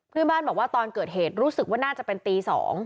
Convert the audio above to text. เพื่อนบ้านบอกว่าตอนเกิดเหตุรู้สึกว่าน่าจะเป็นตี๒